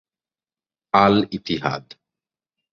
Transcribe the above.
Al Etihad